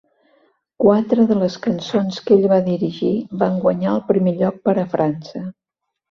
Quatre de les cançons que ell va dirigir van guanyar el primer lloc per a França.